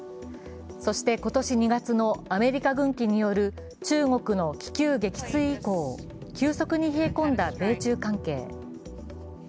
そして今年２月のアメリカ軍機による中国の気球撃墜以降、急速に冷え込んだ米中関係。